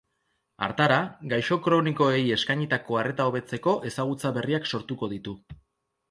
Hartara, gaixo kronikoei eskainitako arreta hobetzeko ezagutza berriak sortuko ditu.